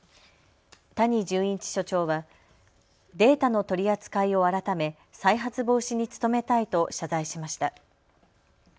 谷潤一所長は、データの取り扱いを改め再発防止に努めたいと謝罪しました。